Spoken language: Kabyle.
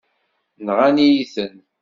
Nɣan-iyi-ten.